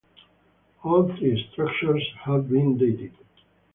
All three structures have been dated.